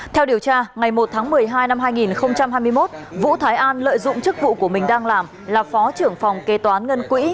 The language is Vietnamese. theo điều tra ngày một tháng một mươi hai năm hai nghìn hai mươi một vũ thái an lợi dụng chức vụ của mình đang làm là phó trưởng phòng kế toán ngân quỹ